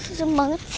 aduh serem banget sih